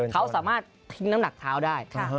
เขาสามารถทิ้งน้ำหนักเท้าได้